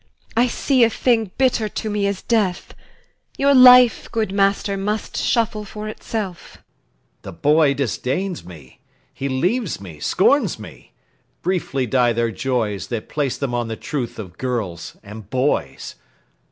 I see a thing Bitter to me as death; your life, good master, Must shuffle for itself. LUCIUS. The boy disdains me, He leaves me, scorns me. Briefly die their joys That place them on the truth of girls and boys.